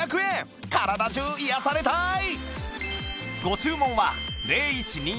体中癒やされたい！